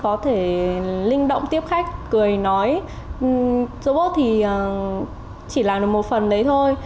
có thể linh động tiếp khách cười nói robot thì chỉ làm được một phần đấy thôi